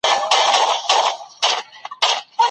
زوی یې نهار له کوره ووت ځکه چې ډېر پرې ناوخته شوی و.